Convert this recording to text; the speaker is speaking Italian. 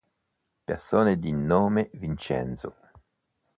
Persone di nome Vincenzo